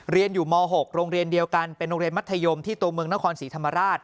เรียนอยู่ม๖โรงเรียนเดียวกันเป็นโรงเรียนมัธยมที่ตัวเมืองนครศรีธรรมราช